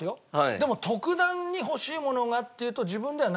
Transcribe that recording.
でも特段に欲しいものがっていうと自分ではないんで。